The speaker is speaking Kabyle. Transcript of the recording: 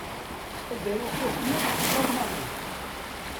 Ad d-aruɣ tafyirt s tlalmanit.